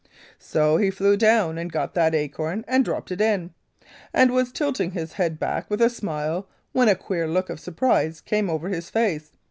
"So he flew down and got that acorn and dropped it in, and was tilting his head back with a smile when a queer look of surprise came over his face.